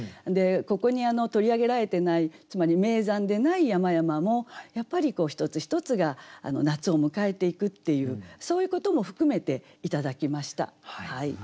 ここに取り上げられてないつまり名山でない山々もやっぱり一つ一つが夏を迎えていくっていうそういうことも含めて頂きました。